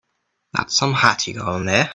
That's some hat you got on there.